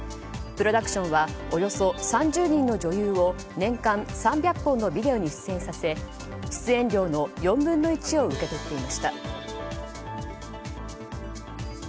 プロダクションはおよそ３０人の女優を年間３００本のビデオに出演させ出演料の４分の１を受け取っていました。